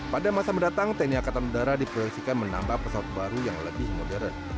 pada masa mendatang tni angkatan udara diproyeksikan menambah pesawat baru yang lebih modern